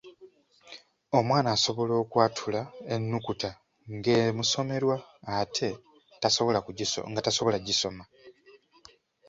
Omwana asobola okwatula ennukuta ng’emusomerwa ate nga tasobola kugisoma.